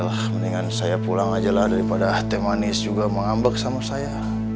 lah mendingan saya pulang aja lah daripada teh manis juga mengambek sama saya